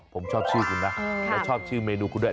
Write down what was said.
ผมชอบชื่อคุณนะแล้วชอบชื่อเมนูคุณด้วย